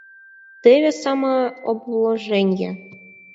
Теве самообложенье!..